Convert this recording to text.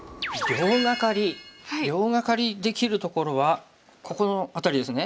両ガカリできるところはここの辺りですね。